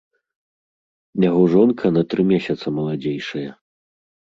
Яго жонка на тры месяцы маладзейшая.